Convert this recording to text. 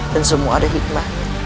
dan semua ada hikmah